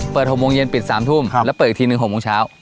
๖โมงเย็นปิด๓ทุ่มแล้วเปิดอีกทีหนึ่ง๖โมงเช้า